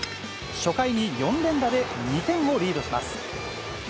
初回に４連打で２点をリードします。